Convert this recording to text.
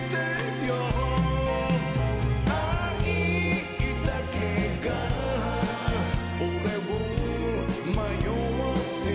「愛だけが俺を迷わせる」